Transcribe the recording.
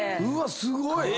すごい。